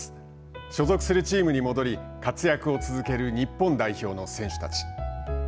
所属するチームに戻り活躍を続ける日本代表の選手たち。